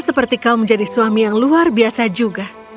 seperti kau menjadi suami yang luar biasa juga